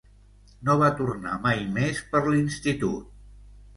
No va tornar mai més per l'institut.